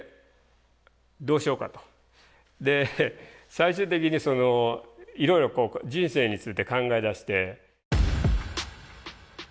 最終的にいろいろ人生について考えだして。